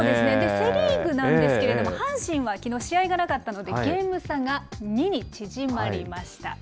セ・リーグなんですけれども、阪神はきのう試合がなかったので、ゲーム差が２に縮まりました。